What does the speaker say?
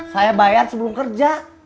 saya bayar sebelum kerja